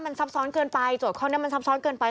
มันซับซ้อนเกินไปโจทย์ข้อนี้มันซับซ้อนเกินไป